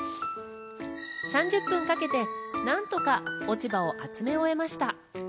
３０分かけて何とか落ち葉を集め終えました。